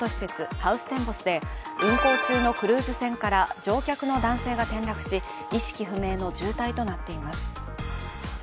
ハウステンボスで運航中のクルーズ船から乗客の男性が転落し意識不明の重体となっています。